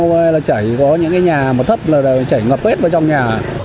lượng mưa lớn ngập cao là chảy có những cái nhà mà thấp là chảy ngập hết vào trong nhà